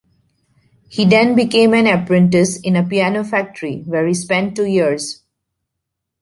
He then became an apprentice in a piano factory, where he spent two years.